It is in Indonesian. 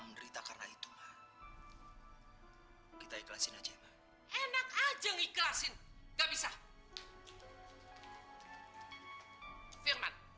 mari kita musik cepat